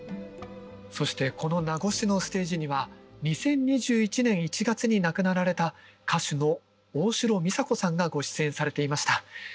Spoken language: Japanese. そしてこの名護市のステージには２０２１年１月に亡くなられた歌手の大城美佐子さんがご出演されていました。